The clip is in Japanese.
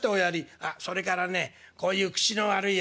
あっそれからねこういう口の悪いやつだ。